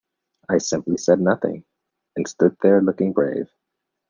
I simply said nothing, and stood there looking brave.